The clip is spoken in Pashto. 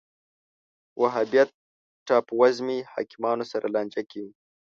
وهابیت ټاپووزمې حاکمانو سره لانجه کې و